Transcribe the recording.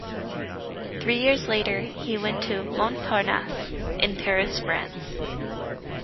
Three years later he went to Montparnasse in Paris, France.